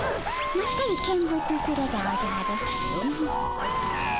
まったり見物するでおじゃる。